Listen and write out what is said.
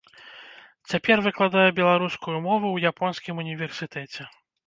Цяпер выкладае беларускую мову ў японскім універсітэце.